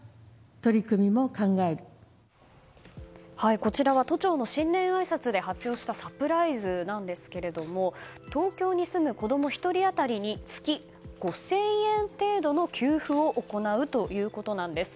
こちらは都庁の新年あいさつで発表したサプライズなんですが東京に住む子供１人当たりに月５０００円程度の給付を行うということなんです。